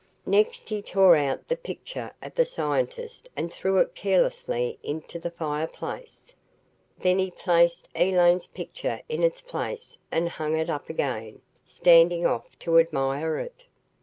Next he tore out the picture of the scientist and threw it carelessly into the fireplace. Then he placed Elaine's picture in its place and hung it up again, standing off to admire it.